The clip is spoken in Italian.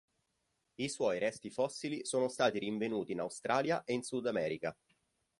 I suoi resti fossili sono stati rinvenuti in Australia e in Sudamerica.